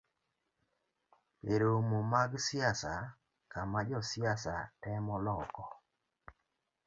E romo mag siasa, kama josiasa temo loko